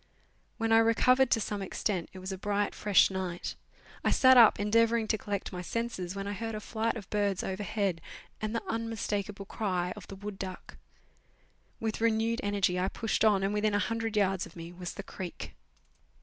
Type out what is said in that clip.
When I recovered to some extent it was a bright, fresh night. I sat up endeavouring to collect my senses, when I heard a flight of birds overhead and the unmistakable cry of the wood duck. With renewed energy I pushed on, and within a hundred yards of me was the creek.